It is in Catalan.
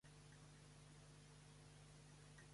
Telefona a l'Ivet Verdes.